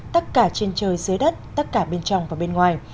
tất cả trên trời dưới đất tất cả bên trong và bên ngoài